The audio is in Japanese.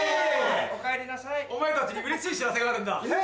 おかえりなさい・お前たちにうれしい知らせがあるんだ。